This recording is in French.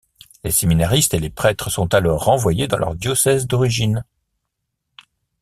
Les séminaristes et les prêtres sont alors renvoyés dans leur diocèse d'origine.